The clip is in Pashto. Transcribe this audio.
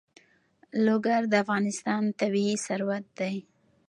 لوگر د افغانستان طبعي ثروت دی.